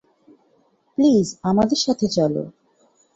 Please আমার সাথে চলো।